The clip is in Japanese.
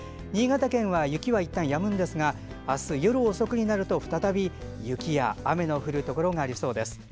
新潟県は雪はいったんやみますがあす夜遅くになると再び雪や雨の降るところがありそうです。